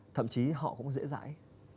thậm chí họ cũng dễ dãi